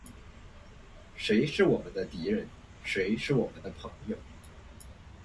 谁是我们的敌人？谁是我们的朋友？